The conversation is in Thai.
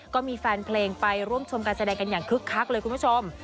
ก็มีแฟนเพลงไปร่วมชมการแสดงกันอย่างคึกคักเลยคุณผู้ชม